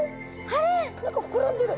何か膨らんでる。